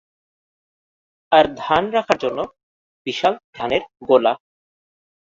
আর ধান রাখার জন্য বিশাল ধানের গোলা।